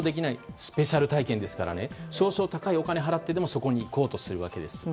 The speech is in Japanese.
スペシャル体験ですから少々高いお金を払ってでもそこに行こうとするわけです。